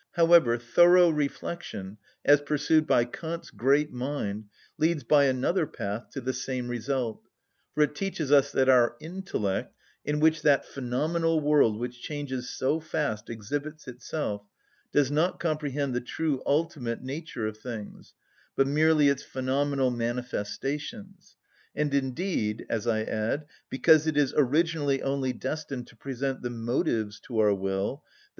However, thorough reflection, as pursued by Kant's great mind, leads by another path to the same result, for it teaches us that our intellect, in which that phenomenal world which changes so fast exhibits itself, does not comprehend the true ultimate nature of things, but merely its phenomenal manifestation, and indeed, as I add, because it is originally only destined to present the motives to our will, _i.